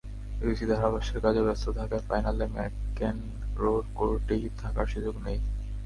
বিবিসির ধারাভাষ্যের কাজে ব্যস্ত থাকায় ফাইনালে ম্যাকেনরোর কোর্টেই থাকার সুযোগ নেই।